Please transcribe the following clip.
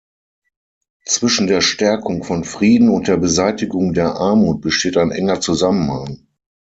Zwischen der Stärkung von Frieden und der Beseitigung der Armut besteht ein enger Zusammenhang.